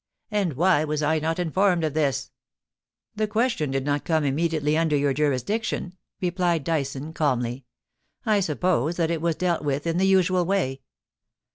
* And wby was I not informed of this 7 'The question did not come immediardT cnder your jurisdiction,' replied D^rson, calmly. * I suppose chat it was deak with m the osoal wav.'